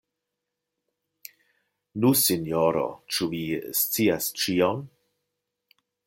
Nu, sinjoro, ĉu vi scias ĉion?